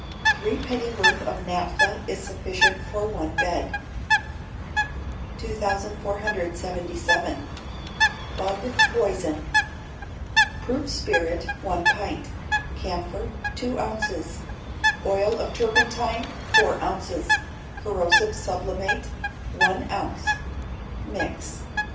Three pennyworth of naphtha is sufficient for one bed. 2477. Bug Poison. Proof spirit, one pint; camphor, two ounces; oil of turpentine, four ounces: corrosive sublimate, one ounce, mix.